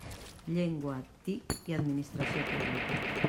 Llengua, TIC i administració pública.